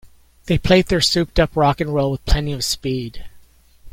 They played their souped up rock and roll with plenty of speed.